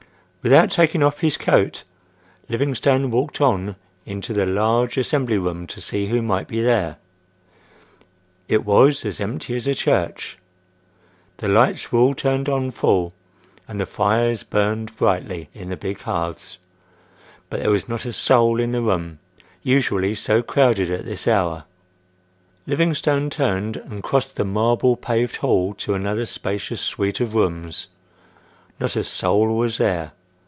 Without taking off his coat, Livingstone walked on into the large assembly room to see who might be there. It was as empty as a church. The lights were all turned on full and the fires burned brightly in the big hearths; but there was not a soul in the room, usually so crowded at this hour. Livingstone turned and crossed the marble paved hall to another spacious suite of rooms. Not a soul was there.